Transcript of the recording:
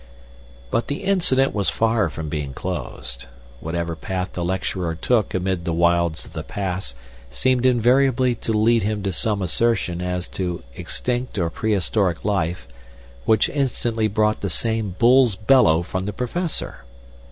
But the incident was far from being closed. Whatever path the lecturer took amid the wilds of the past seemed invariably to lead him to some assertion as to extinct or prehistoric life which instantly brought the same bulls' bellow from the Professor.